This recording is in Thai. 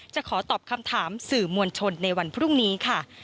จะขอตอบคำถามสื่อมวลชนในวันพรุ่งนี้ค่ะ